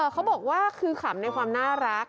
เขาบอกว่าคือขำในความน่ารัก